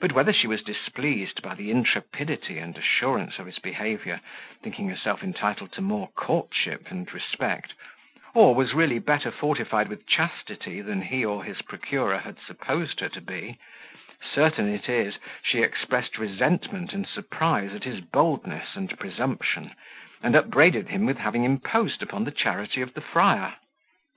But whether she was displeased by the intrepidity and assurance of his behaviour, thinking herself entitled to more courtship and respect; or was really better fortified with chastity than he or his procurer had supposed her to be; certain it is, she expressed resentment and surprise at his boldness and presumption, and upbraided him with having imposed upon the charity of the friar.